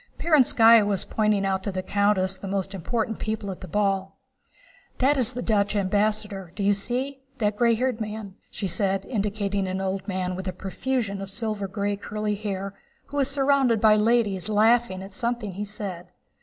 Perónskaya was pointing out to the countess the most important people at the ball. "That is the Dutch ambassador, do you see? That gray haired man," she said, indicating an old man with a profusion of silver gray curly hair, who was surrounded by ladies laughing at something he said.